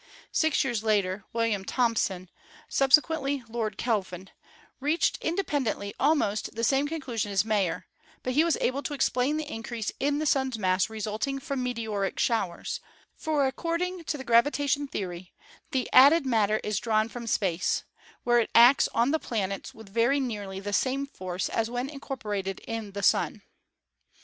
Six years later William Thomson, subsequently Lord Kelvin, reached independently almost the same con clusion as Mayer, but he was able to explain the increase in the Sun's mass resulting from meteoric showers, for according to the gravitation theory the "added matter is drawn from space, where it acts on the planets with very nearly the same force as when incorporated in the Sun."